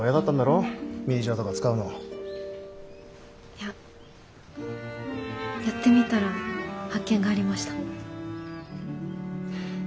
いややってみたら発見がありました。